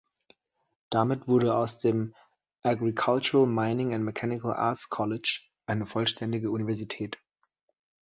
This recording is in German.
Damit wurde aus dem "Agricultural, Mining, and Mechanical Arts College" eine „vollständige Universität“.